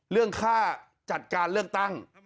เรื่องค่าจัดการเลือกตั้ง